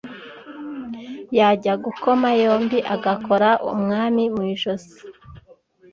yajya gukoma yombi agakora umwami mu jisho